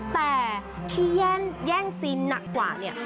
แต่ที่แย่งซีนหนักกว่าเนี่ย